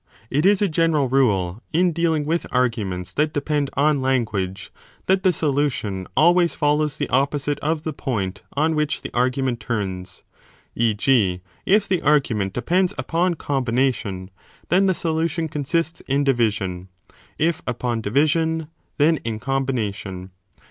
It is a general rule in dealing with arguments that depend 23 on language that the solution always follows the opposite of the point on which the argument turns : e. g. if the argu ment depends upon combination, then the solution consists in division ; if upon division, then in combination.